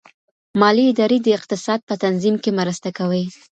مالي ادارې د اقتصاد په تنظیم کي مرسته کوي.